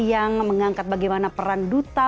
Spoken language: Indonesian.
yang mengangkat bagaimana peran duta